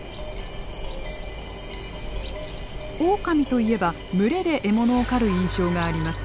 オオカミといえば群れで獲物を狩る印象があります。